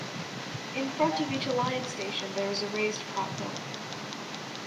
In front of each alliance station there is a raised platform.